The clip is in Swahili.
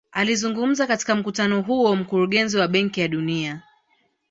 Akizungumza katika mkutano huo mkurugenzi wa benki ya dunia